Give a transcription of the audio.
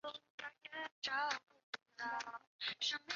这需要花几年及大量金钱去收集合适的钻石。